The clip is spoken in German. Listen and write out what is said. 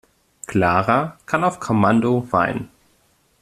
Clara kann auf Kommando weinen.